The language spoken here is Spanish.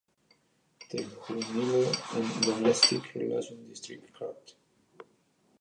The Juvenile and Domestic Relations District Court.